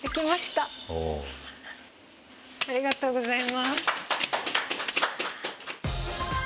ありがとうございます。